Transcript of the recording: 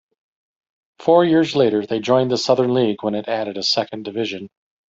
Four years later they joined the Southern League when it added a second division.